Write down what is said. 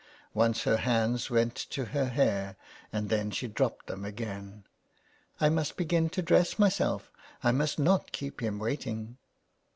Once her hands went to her hair, and then she dropped them again. " I must begin to dress myself; I must not keep him waiting."